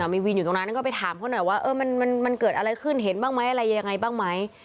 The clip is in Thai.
มีวินอยู่ตรงนั้นก็ไปถามเขาหน่อยว่ามันเกิดอะไรขึ้นเห็นบ้างไหมอะไรยังไงบ้างไหม